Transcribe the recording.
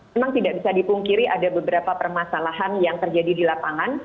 memang tidak bisa dipungkiri ada beberapa permasalahan yang terjadi di lapangan